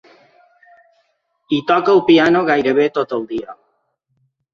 Hi toca el piano gairebé tot el dia.